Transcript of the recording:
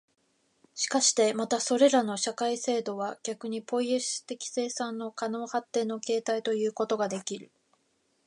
しかしてまたそれらの社会制度は逆にポイエシス的生産の可能発展の形態ということができる、